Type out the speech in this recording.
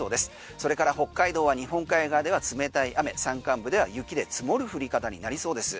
それから北海道は日本海側では冷たい雨山間部では雪で積もる降り方になりそうです。